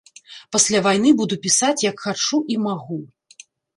Пасля вайны буду пісаць як хачу і магу.